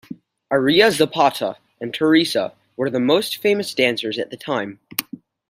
Aria Zapata and Teresa were the most famous dancers at the time.